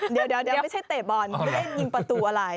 เดี๋ยวไม่ใช่เตะบอลไม่ได้ยิงประตูอะไร